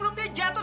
udah pagi ya kak